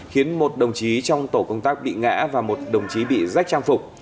khiến một đồng chí trong tổ công tác bị ngã và một đồng chí bị rách trang phục